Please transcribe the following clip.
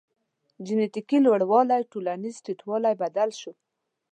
جنټیکي لوړوالی ټولنیز ټیټوالی بدل شو.